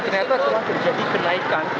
ternyata telah terjadi kenaikan